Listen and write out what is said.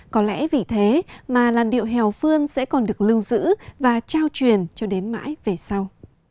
có lẽ vì thế mà làn điệu hèo phương sẽ còn được lưu giữ và trao truyền cho đến mãi về sau